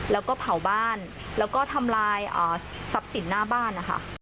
แล้วก็เผาบ้านแล้วก็ทำลายทรัพย์สินหน้าบ้านนะคะ